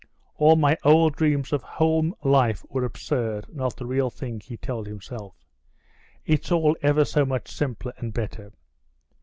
All my old dreams of home life were absurd, not the real thing," he told himself. "It's all ever so much simpler and better...."